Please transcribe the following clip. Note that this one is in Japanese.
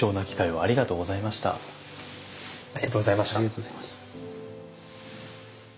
ありがとうございます。